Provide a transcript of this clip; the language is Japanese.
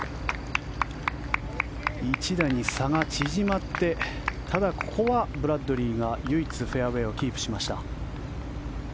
１打に差が縮まってただ、ここはブラッドリーが唯一フェアウェーをキープしました。